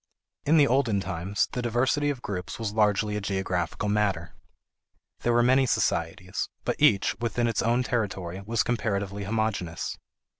In the olden times, the diversity of groups was largely a geographical matter. There were many societies, but each, within its own territory, was comparatively homogeneous.